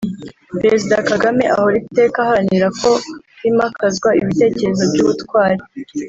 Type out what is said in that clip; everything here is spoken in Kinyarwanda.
Perezida Kagame ahora iteka aharanira ko himakazwa ibitekerezo by’ubutwari